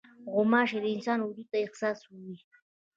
غوماشې د انسان وجود ته حساس وي.